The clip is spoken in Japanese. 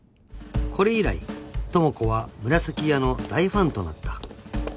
［これ以来智子はむらさき屋の大ファンとなった］